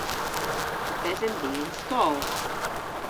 Yth esen vy y'n skol.